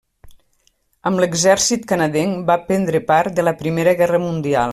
Amb l'exèrcit canadenc va prendre part a la Primera Guerra Mundial.